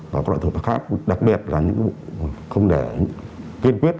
và các loại tội phạm khác đặc biệt là những vụ kiên quyết